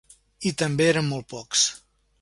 I també érem molt pocs.